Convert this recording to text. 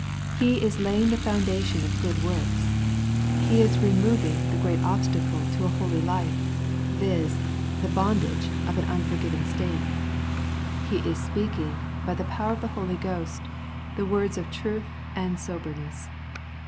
He is laying the foundation of good works. He is removing the great obstacle to a holy life, viz. the bondage of an imforgiven state. He is speaking, by the power of the Holy Ghost, the words of truth and soberness.